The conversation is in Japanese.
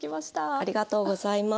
ありがとうございます。